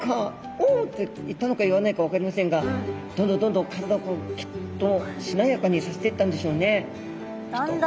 「オ！」って言ったのか言わないか分かりませんがどんどんどんどん体をきっとしなやかにさせてったんでしょうね。